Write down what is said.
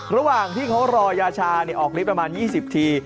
ระหว่างที่เขารอยาชาออกฤทธิประมาณ๒๐ที